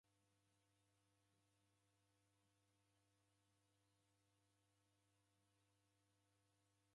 Ihi vua inyagha iruwa jikiaka ni ya w'omi.